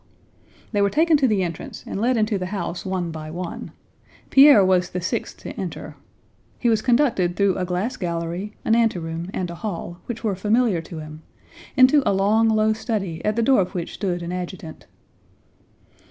They were taken to the entrance and led into the house one by one. Pierre was the sixth to enter. He was conducted through a glass gallery, an anteroom, and a hall, which were familiar to him, into a long low study at the door of which stood an adjutant.